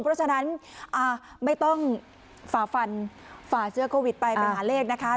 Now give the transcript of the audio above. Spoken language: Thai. เพราะฉะนั้นไม่ต้องฝ่าฟันฝ่าเชื้อโควิดไปไปหาเลขนะคะ